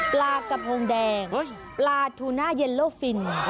ปลากระโพงแดงปลาทูน่าเย็นโลฟิน